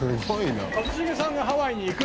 一茂さんがハワイに行く。